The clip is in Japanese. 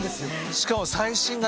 しかも。